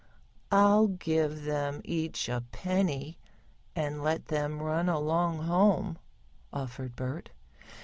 "I'll give them each a penny and let them run along home," offered Bert.